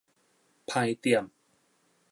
難點